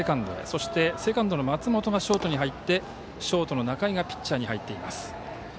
そしてセカンドの松本がショートに入ってショートの仲井がピッチャーに入っています。